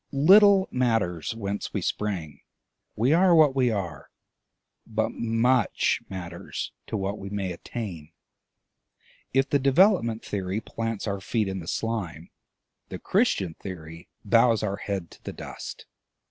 Little matters whence we sprang; we are what we are. But much matters to what we may attain. If the Development Theory plants our feet in the slime, the Christian Theory bows our head to the dust.